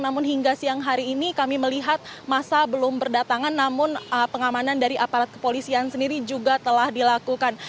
namun hingga siang hari ini kami melihat masa belum berdatangan namun pengamanan dari aparat kepolisian sendiri juga telah dilakukan